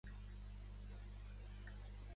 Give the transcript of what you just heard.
És venerat a l'Església catòlica com a sant.